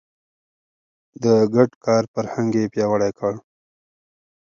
د ګډ کار فرهنګ يې پياوړی کړ.